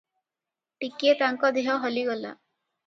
ଟିକିଏ ତାଙ୍କ ଦେହ ହଲିଗଲା ।